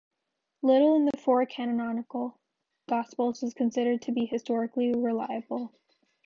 Little in the four canonical gospels is considered to be historically reliable.